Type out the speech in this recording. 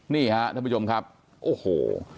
นี่ฮะท่านผู้ชมครับโอ้โห